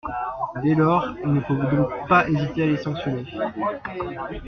Dès lors, il ne faut donc pas hésiter à les sanctionner.